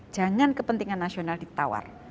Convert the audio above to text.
jangan kepentingan nasional ditawar